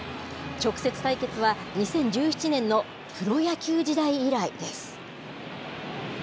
直接対決は２０１７年のプロ野球時代以来です。